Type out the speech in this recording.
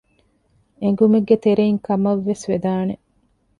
އެނގުމެއްގެ ތެރެއިން ކަމަށް ވެސް ވެދާނެ